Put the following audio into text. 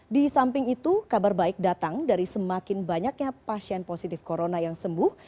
di samping itu kabar baik datang dari semakin banyaknya pasien positif corona yang sembuh